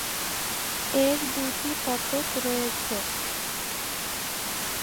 এর দুইটি ফটক রয়েছে।